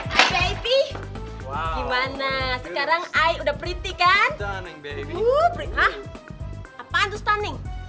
baby gimana sekarang i udah pretty kan